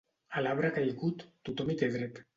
A l'arbre caigut, tothom hi té dret.